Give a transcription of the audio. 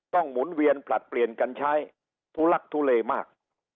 หมุนเวียนผลัดเปลี่ยนกันใช้ทุลักทุเลมาก